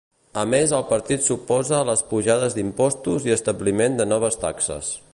A més el partit s'oposa a les pujades d'impostos i establiment de noves taxes.